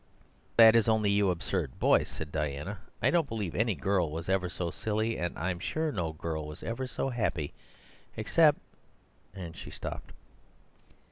"That is only you absurd boys," said Diana. "I don't believe any girl was ever so silly, and I'm sure no girl was ever so happy, except—" and she stopped.